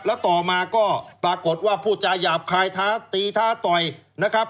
แล้วต่อมาก็ปรากฏว่าพูดจาหยาบคายท้าตีท้าต่อยนะครับ